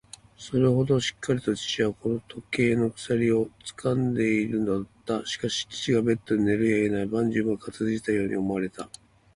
それほどしっかりと父はこの時計の鎖をつかんでいるのだった。しかし、父がベッドに寝るやいなや、万事うまく片づいたように思われた。